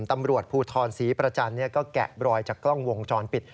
ตำรวจภูทรศรีประจันทร์ก็แกะบรอยจากกล้องวงจรปิด